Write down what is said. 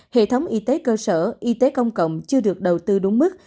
hệ thống y tế cơ sở y tế công cộng chưa được đầu tư đúng mức